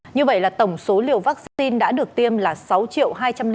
như vậy là tổng số liều vaccine đã được tiêm là sáu hai trăm linh ba tám trăm sáu mươi sáu liều